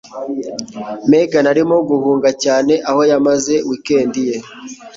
Megan arimo guhunga cyane aho yamaze weekend ye.